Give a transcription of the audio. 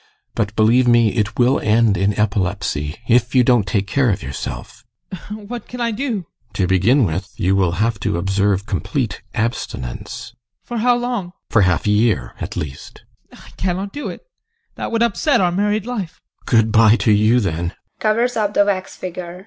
But, believe me, it will end in epilepsy if you don't take care of yourself. ADOLPH. What can I do? GUSTAV. To begin with, you will have to observe complete abstinence. ADOLPH. For how long? GUSTAV. For half a year at least. ADOLPH. I cannot do it. That would upset our married life. GUSTAV. Good bye to you then!